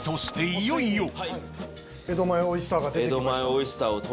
いよいよ江戸前オイスターが出てきました